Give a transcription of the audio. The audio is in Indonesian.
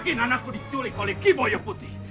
aku yakin anakku diculik oleh kiboyo putri